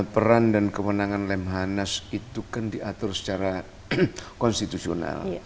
peran dan kewenangan lemhanas itu kan diatur secara konstitusional